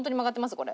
これ。